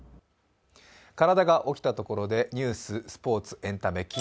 体が起きたところでニュース、スポーツ、エンタメ。